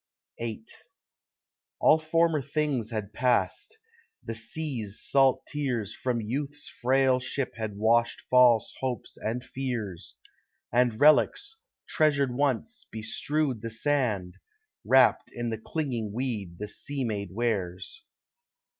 VIII All former things had passed, the sea's salt tears From Youths' frail ship had washed false hopes and fears, And relics, treasured once, bestrewed the sand, Wrapped in the clinging weed the seamaid wears.